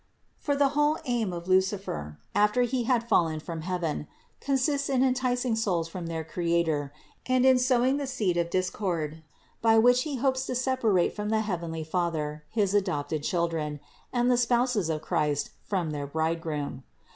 For the whole aim of Lucifer, after he had fallen from heaven, consists in enticing souls from their Creator and in sowing the seed of discord, by which he hopes to separate from the heavenly Father his adopted children, and the spouses of Christ from their Bridegroom.